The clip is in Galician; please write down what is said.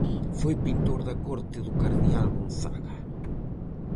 Foi pintor da corte do cardeal Gonzaga.